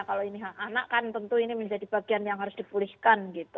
kalau ini anak kan tentu ini menjadi bagian yang harus dipulihkan gitu